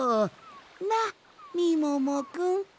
なっみももくん。